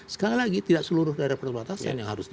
sekali lagi tidak seluruh daerah perbatasan yang harus di